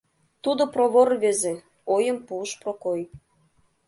Тудо провор рвезе! — ойым пуыш Прокой.